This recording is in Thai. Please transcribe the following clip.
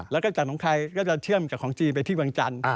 แล้วก็จากของใครก็จะเชื่อมจากของจีนไปที่วังจันทร์